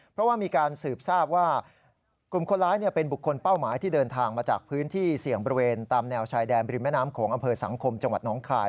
เพราะว่ามีการสืบทราบว่ากลุ่มคนร้ายเป็นบุคคลเป้าหมายที่เดินทางมาจากพื้นที่เสี่ยงบริเวณตามแนวชายแดนบริมแม่น้ำโขงอำเภอสังคมจังหวัดน้องคาย